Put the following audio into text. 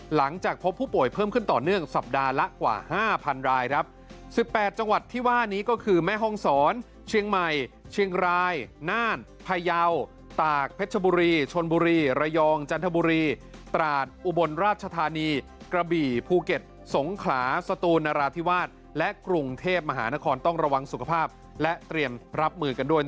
หลังจากพบผู้ป่วยเพิ่มขึ้นต่อเนื่องสัปดาห์ละกว่า๕๐๐รายครับ๑๘จังหวัดที่ว่านี้ก็คือแม่ห้องศรเชียงใหม่เชียงรายน่านพยาวตากเพชรบุรีชนบุรีระยองจันทบุรีตราดอุบลราชธานีกระบี่ภูเก็ตสงขลาสตูนนราธิวาสและกรุงเทพมหานครต้องระวังสุขภาพและเตรียมรับมือกันด้วย